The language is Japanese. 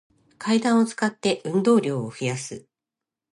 階段を使って、運動量を増やす